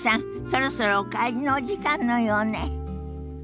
そろそろお帰りのお時間のようね。